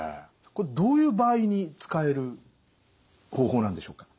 これどういう場合に使える方法なんでしょうか？